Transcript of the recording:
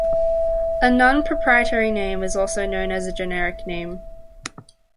A non-proprietary name is also known as a generic name.